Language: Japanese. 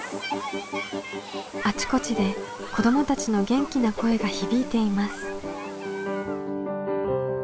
あちこちで子どもたちの元気な声が響いています。